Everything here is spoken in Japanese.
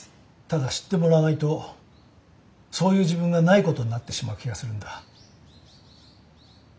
ただ知ってもらわないとそういう自分がないことになってしまう気がするんだ。